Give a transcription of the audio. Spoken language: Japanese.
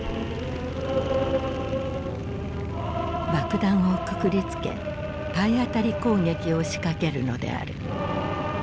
爆弾をくくりつけ体当たり攻撃を仕掛けるのである。